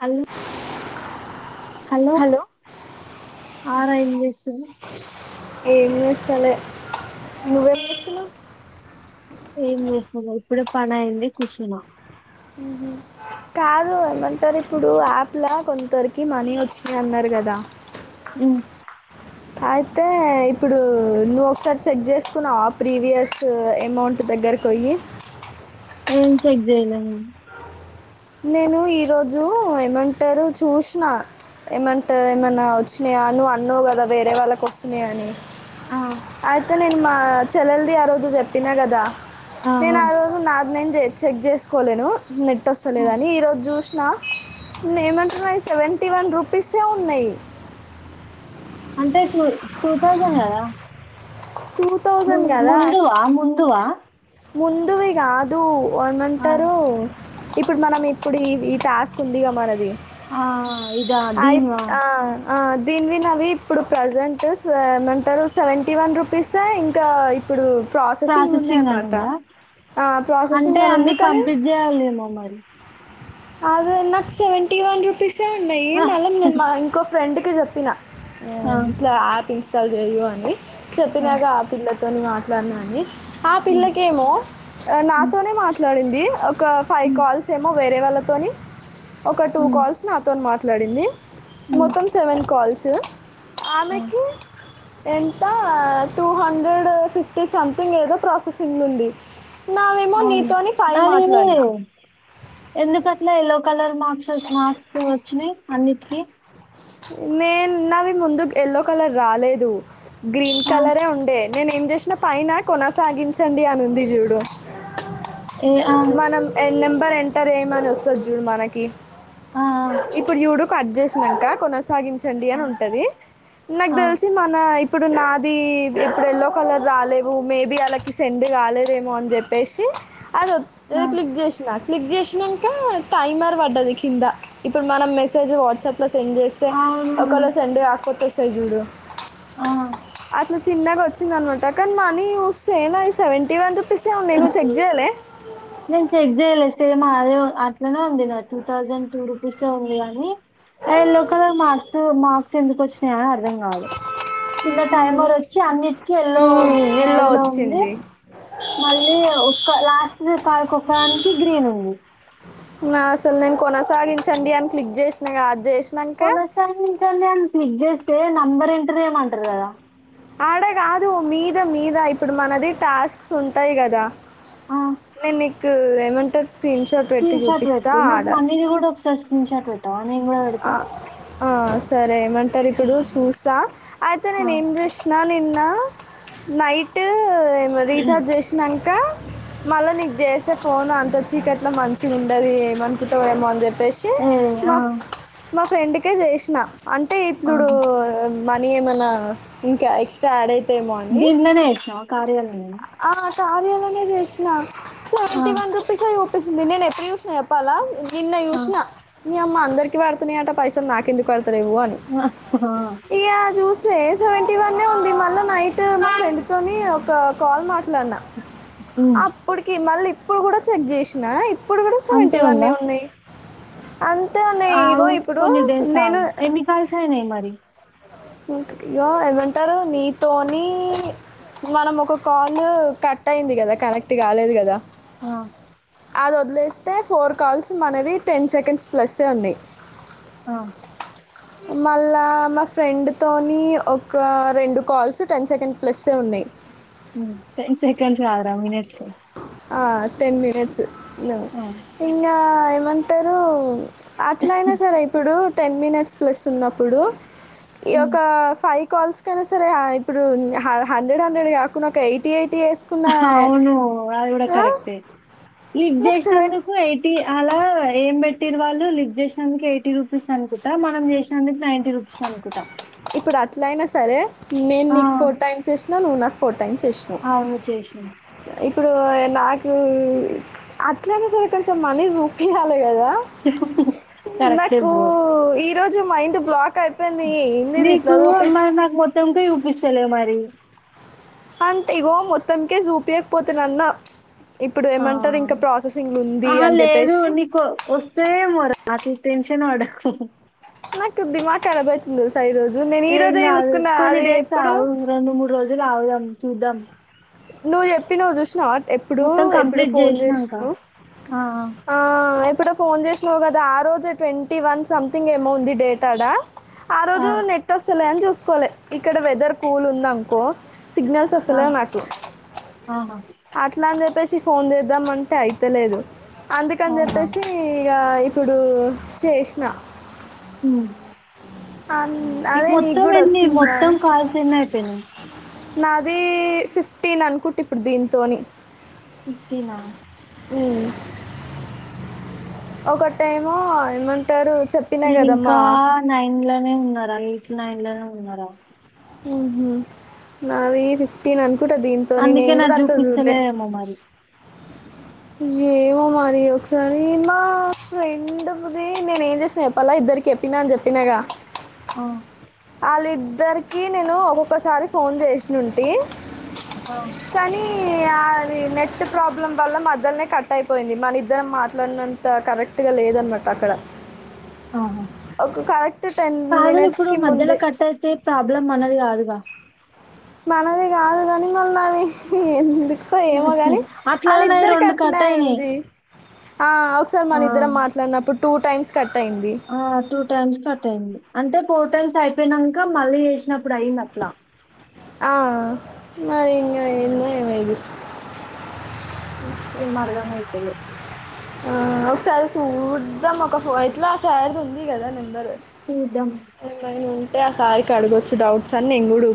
Hello hello ఆరా ఏం చేస్తున్నవ్ ఏం చేస్తలే నువ్వు ఏం చేస్తున్నావ్ ఏం చేస్తలే ఇప్పుడే పనైంది కూర్చున్నా కాదు ఏమంటారిప్పుడు యాప్లా కొంతరకి మనీ వచ్చినాయన్నరు కదా మ్ అయితే ఇప్పుడు నువ్ ఒకసారి చెక్ చేసుకున్నావా ప్రీవియస్ ఏమౌంట్ ట్ దగ్గరికిపోయి ఏం చెక్ చేయలే నేను నేను ఈ రోజు ఏమంటారు చూసిన ఏమంటా ఏమన్నా వచ్చినా యా నువ్ అన్నవు కదా వేరే వాళ్ళకి వస్తున్నాయ్ అని అయితే నేను మా చెల్లెల్ది ఆ రోజు చెప్పినా కదా ఆహా నేను ఆ రోజు నాది నేన్ చి చెక్ చేసుకోలేను నెట్ వస్ స్తలేదని ఈరోజు చూసినా నిన్నటివినవి సెవెంటీ వన్ రూపీసే ఉన్నాయ్. అంటే టూ టూ థౌజండ్ కదా టూ ము థౌసండ్ గదా ముందువా ముందువా ముందువి గాదు ఆ ఏమంటారు ఇప్పుడు మనం ఇప్పుడు ఈ ఈ టాస్క్ల్ దిగ మనది ఆ ఇదా అయ్ దీనివా ఆ ఆ దీనివి నావి ఇప్పుడు ప్రజంట్స్ ఏమంటరు సెవెంటీ వన్ రూప్ పీస్ ఇంకా ఇప్పుడు ప్రాసెసింగుంది ప్రాసెసింగ్ అని అనమాట ఉందా ఆ అంటే ప్రాసెసింగ్ అని అన్ని ఉంది కానీ కంప్లీట్ చేయాలేమో మరి అదే నాక్ సెవెంటీ వన్ రూపీసే ఉన్నయి ఆ మళ్ళీ నేను మా ఇంకో ఫ్రెండ్కి చెప్పినా ఆ ఇట్లా యాప్ ఇన్స్టాల్ చెయ్యు అని ఆ, చెప్పినాగా పిల్లక్ తోని మాట్లాడినని ఆ ఉమ్, పిల్లకేమో ఉమ్, నాతోనే మాట్లాడింది ఒక ఫైవ్ ఉమ్, కాల్స్ ఏమో వేరే వాళ్ళ తోని ఒక టూ ఉమ్, కాల్స్ నాతో మాట్లాడింది ఉమ్, మొత్తం సెవెన్ కాల్స్ ఆ, ఆమెకి ఎంత టూ హండ్రెడ్ ఫిఫ్టీ సంథింగ్ ఏదో ప్రాసెసింగ్ నుండి అవును నా ఎందుకట్లా ఎలో కలర్ మార్క్స్ మార్క్స్ వచ్చినాయి అన్నిటికిీ నేనున్నది ముందుకు ఎయల్లో కలర్ రాలేదు గ్రీన్ ఆ కలరే ఉండే నేనే ఏం చేసిన పైన కొనసాగించండి అనుంది చూడు ఏ ఆ మనం ఏ నెంబర్ ఎంటర్ చేయమనస్తది చూడు మనకి ఆ ఇప్పుడు చూడు కట్ చేస్నంక కొనస సాగించండి ఆ అని ఉంటది నాకు ఆ తెలిసి మన ఇప్పుడు నాది ఇప్పుడు ఎయల్లో కలర్ రాలేవు మేబీ వాళ్ళకి సెండ్ కాలేదేమో అని చెప్పేసి అద ఆ ఇది క్లిక్ చేసిన క్లిక్ చేసినాక టైమర్ పడ్డది కింద ఇప్పుడు మనం మెసేజ్ వాట్సాప్ లో సెండ్ చే అంతే అవును ఒకలా సండే కే వచ్చేస్తారు చూడు ఆ ఇందాక వచ్చిందినమాట కానీ మనీ చూస్తే నాది సెవెంటీ వన్ రూపీస్ ఏ ఉన్నాయి నువ్వు చెక్ చేయలే నేను చెక్ చేయలే సేమ్ అదే అట్లనే ఉంది నా టూ థౌజండ్ టూ రూపీస్ే ఉంది గానీ అ ఎల్లో కలర్ మార్స్ మ ఎందుకు వచ్చినాయా అర్థం కావట్లేదు నిన్న టైమర్ వచ్చి అనిటికి లో మ్మ్, ఎల్లో హోల్డ్ లో ఉంది వచ్చింది మళ్ళీ ఒ లాస్ట్ కాకొకరానికి గ్రీన్ ఉంది నా అసలు నేను కొనసాగించండి అని క్లిక్ చేసినగా కొనసాయిని అ క్లిక్ చేస్తే నెంబర్ ఎంటర్ చే యమంటారు కదా ఆడ కాదు మీద మీద ఇప్పుడు మనది టాస్క్స్ ఉంటాయి కదా ఆ నేను నీకు లేమెంతెర్స్ స్క్రీన్షట్ పెట్ నాకు మనవి కూడా ఒకసారి స్క్రీన్ షాట్ పెట్టావా నేను కూడా పెడతా ఆ, సరే ఏమంటారు ఇప్పుడు చూసా అయితే ఆ నేను ఏం చేసినా నేను నా నైట్ ఏమ రీఛార్జ్ చేసినాక మళ్ళా నీకు చేసే ఫోన్ అంత చీకట్లా మంచి ఉండది ఏమనుకుంటా ఏమో అని చెప్ప చెప్పసి ఏ ఆ మా మా ఫ్రెండ్కే చేసిన అంటే ఆ ఇప్పుడు మనీ ఏమైనా ఇంకా ఎక్స్ట్రా యాడ్ అయి దాంట్లోనే వేసినవ ఆ కార్యాలోనే కార్యాలోనే చేసిన ఆ సెవెంటీ వన్ రుపీస్ అని చు ప్పిస్తుంది నేను ఎప్పుడు చూసిన చెప్పాలా నిన్న ఆ చూసిన మీ అమ్మ అందరికి పడుతున్నాయంట పైసలు నాకు ఎందుకు పడ రని ఆ ఆ! ఇక జూస్ డే సెవెంటీ వన్ ఉంది మళ్ళా నైట్ నా ఫ్రెండ్ తోని ఒక కాల్ మ హ్మ్ అప్పుటికి మళ్ళీ ఇప్పుడు కూడా చెక్ చేసినా ఇప్పుడు కూడా సెవెంటీ అంతే వన్యే ఉన్నాయి అంత అ కొన్ని చేశా అ ఏన్ని కాల్సయ నయి మరి ఇంత ఇగ ఏమంటారు నీతోని మనం ఒక కాల్ కట్ అయింది కదా కనెక్ట్ కాలేదు కదా ఆ అది వదిలేస్తే ఫోర్ కాల్స్ మనవి టెన్ సెకండ్స్ ప్లస్ యే ఉన్నాయి ఆ మళ్ళా మా ఫ్రెండ్తోని ఒక రెండు కాల్స్ టెన్ సెకండ్ ప్లస్ యే ఉన్నాయి టెన్ సెకండ్స్ అరా మినట్స్ టెన్ మినిట్స్ ఆ ఇంకా ఏమంటారు అట్ల అయినా సరే ఇప్పుడు టెన్ మినిట్స్ ప్లస్ ఉన్నప్పుడు ఈ హ్మ్ ఒక ఫైవ్ కాల్స్ కైనా సరే ఇప్పుడు హండ్రెడ్ హండ్రెడ్ కాకుండా ఒక ఎయిటీ ఎయిట్ అవును అ ది కూడా ఆ, కరెక్టే ఇది నాకు సెవెన్ చేసినందుకు ఎయిటి అలా ఏమ్ పెట్ తిరువాళ్లు లిఫ్ట్ చేసినందుకు ఎయిటీ రూపీస్ అనుకుంటా. మనం చేసినందుకు నైంటీ రూపీస్ అనుకుంటా. ఇప్పుడు అట్లయినా సరే నేన్ ఆ నీకు ఫోర్ టైమ్స్ చేసినా నువ్ నాక్ అవును చేసిన ఇప్పుడు నాకు అట్లనే సరే కొంచెం మనీ చూపియల్ కదా! లేదు కదా! కరెక్టే నాకు బ్రో ఈ రోజు మైండ్ బ్లాక్ క్ అయిపోయింది. ఏందిది ఇట్లా చూపిస్ తంపే చూపిస్తలే మరి. అంటే ఇగో మొత్తంకే చూపయకపోతున అన్న ఆ ఉంది అహ అని లేదు. చెప్పేసి నీకు వస్తేయేమో రా అట్ల టెన్ క్షన్ పడకు. నాకు దిమాక్ ఖరాబ్ అయితుంది. చూస్ ఏం కాదు కొన్ని డేస్ ఎప్పుడు ఆగు రొండు మూడు రోజులు ఆగుదాం చూద్దాం. నువ్ చెప్పినవ్ చూసినావ ఎప్పుడు, మొత్తం ఎప్పుడు కంప్లీట్ ఫోన్ చేసినాక చేసినవ్? ఆ ఆ ఎప్ ఇప్పుడె ఫోన్ చేసినావు కదా! ఆ రోజె ట్వంటీ వన్ సంథింగ్ ఏమో ఉంది! డేట్ ఆడ. ఆ రోజు నెట్ వస్తలే అని చూసుకోలె. ఇక్కడ వెదర్ కూల్ ఉందనుకో సిగ్నల్స్ ఆ వస్తలేవు నాక్ ఆ అట్లా అని చెప్పేసి, ఫోన్ చేద్దాంమంటే అయితలేదు. అందుకని అవునా చెప్పేసి, ఇగ ఇప్పుడు చేసిన. మ్ అం అదే నీకు కూడా వచ్చిందా మొత్తం అని? కాల్స్ ఎన్ని అయిపోయినాయి నాది ఫిఫ్టీన్ అనుకుంటే ఇప్పుడు దీంతోని ఫిఫ్టీన్ ఆ మ్మ్ ఒకటేమో ఏమంటారు చెప్పినా నేన్ కదా ఇంకా మా నైన్ లోనే ఉన్నారా. ఎయిట్ నైన్ లోనె ఉన్నారా. మ్మ్ హు నావి ఫిఫ్టీన్ అనుక్ ట దీంతోని. అందుకే నేన్ కూడా నాకు అంత చూడ్లే. చూపిస్తలేదేమో మరి ఏమో మరి. ఒకసారి, మా ఫ్రెండ్ ది నేను ఏం చేసిన చెప్పల్లా ఇద్ ఇద్దరికి చెప్పినా అని చెప్పినాగా! ఆ ఆళ్ళిద్దరికీ నేను ఒక్కొక్కసారి ఫోన్ చేసినుంటి. కానీ ఆ అది నెట్ ప్రాబ్లం వల్ల మధ్యలోనే కట్ అయిపోయింది. మనిద్దరం మాట్లాడినంత కరెక్ట్ గా లేదనమాట అక్ కడ. ఆహా ఒక కరెక్ట్ టెన్ కాదు మినిట్స్ ఇప్పుడు మధ్యలో కట్టయితే ప్రాబ్లం మనది కాదుగా! మనది కాదుకని మల్ల అవి ఎందు కొ ఏమో గాని అట్లనే ఆళ్ళిద్దరికి అట్లే కట్ అయినాయి. అయింది. ఆ ఒకసారి ఆ! మనిద్దరం మాట్లాడినప్పుడు టూ టైమ్స్ కట్ అయింది ఆ టూ టైమ్స్ కట్ అయింది. అంటే, ఫోర్ టైమ్స్ అయిపోయినంక మళ్ళీ చేసినప్పుడు అయిందట్ల. ఆ. మరింగ ఉమ్. ఏందో ఏమో ఇది. ఏం అర్ధం అయితలె. ఆ ఒకసారి సూద్దాం. ఒక ఫో ఎట్లా ఆ సార్ ది ఉంది కదా నమ్ బరు. చూద్దాం. ఏమైనా ఉంటే ఆ సార్ కి అడగొచ్చు డౌట్.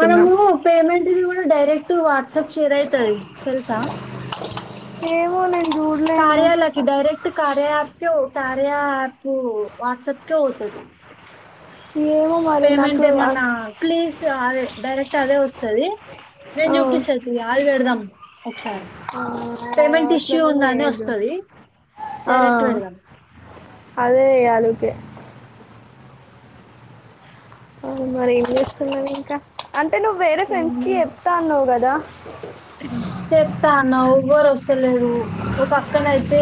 మనము పేమెంట్ ఇది కూడా డైరెక్ట్ వాట్సాప్ షేర్ అయితది తెలుసా! ఏమోనే కార్యాలోకి direct Karya app to Karya app WhatsApp కె వచ్చేట్టు. ఏమో మరి పేమెంట్ నాకు ఆ- ఏమన్నా ప్లీజ్ అదే డైరెక్ట్ అదే వస్తాది నేను ఆ, చూపిస్త తి అది పెడదాం సరే ఆ, పేమెంట్ ఇష్యూ అట్లనే ఉందాని ఏదో ఒస్తాది డైరెక్ట్ పెడదాం అదే ఎయాలే ఊకే ఉమ్ మరి ఏం చేస్తున్నారు ఇంకా అంటే నువ్వు వేరే ఫ్రెండ్స్ కి చెప్తా అన్నావు కదా చెప్తా అన్నావ్ ఎవ్వరు ఒస్తలేరు ఒక అక్కనయితే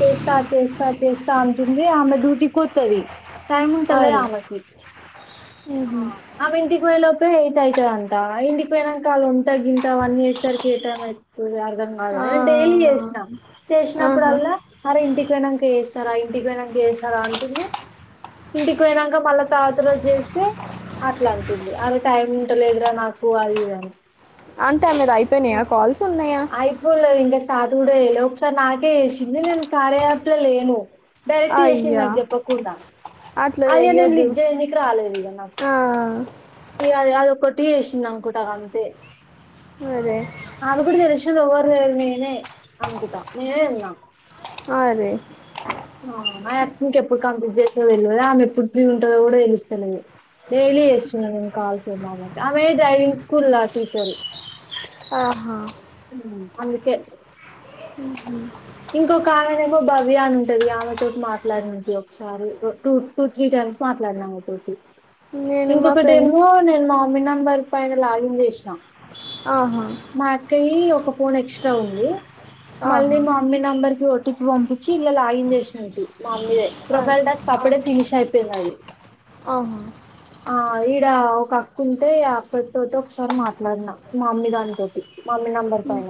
చేస్తా చేస్తా చేస్తా ఉంటుంది ఆమె డ్యూటీకి పోతది టైమ్ ఉంట లేదా అవును ఆమెకి హా ఆమె ఇంటికి పోయెలోపే అతుదంటా ఇంటికి పోయినాక అళ్ళు ఉంత గింతా అవన్నీ చేసే సారికి ఏ టైమ్ అయితది చూస్తే అర్ధం కాదు ఆ, కానీ డైలీ చేస్తాం ఆహా. చేసినప్పుడుల్లా అరే ఇంటికి పోయినంక చేస్తారా ఇంటికి పోయినంక చేస్తారా అంటుంది ఇంటికి పోయినంక మళ్ళా తర్వాత రోజూ చేస్త అట్లా అంటుంది అరే టైం ఉంటలేదురా నాకు అది ఇది అని అంటే ఆమె ఉమ్ అయిపోయినాయా కాల్స్ ఉన్నాయా అయిపోలేదు ఇంకా స్టార్ట్ కూడా [unintelligible] ఒకసారి నాకే చేసింది నేను కారయాప్లే లేను డైరెక్ట్ చేసింది అయ్యా నాకు చెప్పకుండా అట్లా అయ నేను చెయ్యొద్దు లిఫ్ట్ చేయానికి రాలేదు ఇగ నాకు ఆ, ఇగ అది కాదు ఒకటి చేసింది అనుకుంటా అంతే అరే ఆమెకి కూడా తెలిసింది ఎవరు లేరు నేనే అనుకుట్ట నేను ఉన్నా అరే అ ఆమెకు ఇంకెప్పుడు కంప్లీట్ చేస్తుందో తెలిదు ఆమె ఎప్పుడు ఫ్రీ గా ఉంటుందో కూడా తెలుస్తలేదు డైలీ చేస్తున్నా నేను కాల్స్ ఆమెకి ఆమే డ్రైవింగ్ స్కూల్ లా టీచరు ఆహా అందుకే ఉహూ ఇంకొక ఆమెనే ఏమో భవ్య అని ఉంటది ఆమెతోటి మాట్లాడినే ఒకసారి two two three times మాట్లాడిన ఆమెతోటి నేను మా ఇంకొకటిమో ఫ్రెండ్స్కి నేను మా మమ్మీ నంబర్ పైన లాగిన్ చేసినా ఆహా మా అక్కయి ఒక ఫోన్ ఎక్స్ట్రా ఉంది మళ్ళీ ఆహా మా నంబర్కి ఓటీపీ పంపి చ్చి ఇగా లాగిన్ చేసినట్ మా అమ్మీదే ఆ, ప్రొఫైల్ టాస్క్ ఆహా అప్పుడే ఫినిష్ అయిపోయినది ఆహా ఆ ఇడా ఒక అక్కంటే ఆ అక్క తోటి ఒకసారి మాట్లాడిన మా మామ్మీ దానితోటి మమ్మీ నంబర్ పైన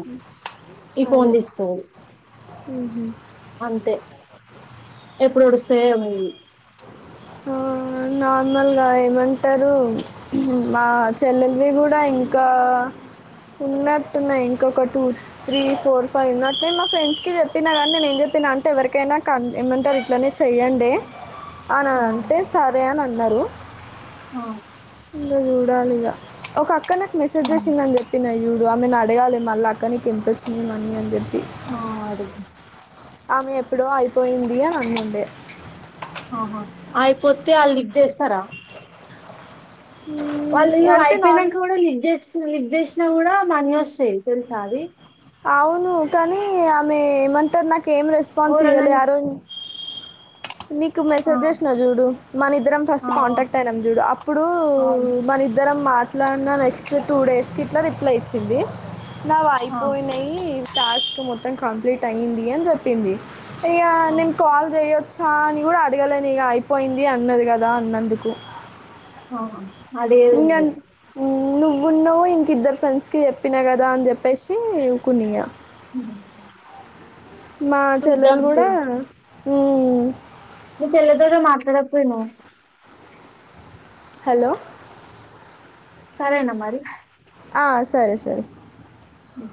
ఈ ఫోన్ అరే తీసుకోనీ అంతే ఎప్పుడు ఓడుస్తేయో ఏమో ఇవి ఆ నార్మల్గా ఏమంటారు మా చెల్లెలవి కూడా ఇంకా ఉన్నట్టున్నాయి ఇంకొక టూ త్రీ ఫోర్ ఫైవ్ ఉన్నట్యి మా ఫ్రెండ్స్ కి చెప్పినా కానీ నేను ఏం చెప్పా ప్ప నా అంటే ఎవరికైనా క ఏమంటారు ఇట్లనే చెయ్యడే అని అని ఆ అంటే సరే అని అన్నారు ఆ ఇంకా చూడాలి ఇగా ఒక అక్క నాకు మెసేజ్ ఉమ్. వచ్చిందని చెప్పిన చూడు ఆమెను అడగాలి మళ్ళీ అక్క నీ ఎంతొచ్చినమని అని చెప్పి ఆ అడుగు ఆమె ఎప్పుడో అయిపోయింది అని అంటుండే ఆహా అయిపోతే వాళ్ళు లిఫ్ట్ చేస్తారా వాళ్ళు అంటే అయిపోయినాక నార్మల్ కూడా లిఫ్ చే లిఫ్ చేసినా కూడా మనీ వస్తాయి తెలుసా అది అవును కానీ ఆమె ఏమంటారు నాక ఏం రెస్పాన్స్ ఎవరన్నా ఇయ్యలే ఆరోజు నీకు ఆ మెసేజ్ చేసిన చూడు మన ఇద్దరం ఫస్ట్ ఆ కాంటాక్ట్ అయినాం చూడు అప్పుడు అవును మన ఇద్దరం మా ఇట్లాన్న నెక్స్ట్ టూ డేస్కి ఇట్లా రిప్లై ఇచ్చింది నా ఆ అయిపోయినాయి టాస్క్ మొత్తం కంప్లీట్ అయ్యింది అని చెప్పింది ఈయ్యా ఆ నేను కాల్ చేయచ్చ చ న కూడా అడగలేనిక అయిపోయింది అన్నది కదా అన్నందుకు ఆహా [unintelligible] ముందు ఇంక ఇద్దరు ఫ్రెండ్స్కి చెప్పినా కదా అని చెప్పేసి కొని మా చెల్లెలు చూద్దాం తీ కూడా నీ మీ చెల్లె తోనే మాట్లాడపోయినవ్ హలో సరే అన్న మరి ఆ సరే సరే ఇ